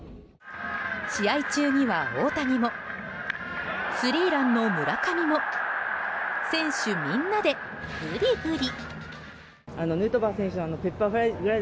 試合中には大谷もスリーランの村上も選手みんなでグリグリ。